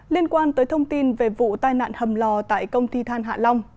liên quan tới thông tin về vụ tai nạn hầm lò tại công ty than hạ long